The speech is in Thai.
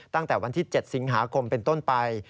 ตั้งแต่วันที่๗สิงหาคมเป็นต้นไป